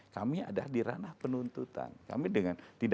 kami ada di ranah penuntutan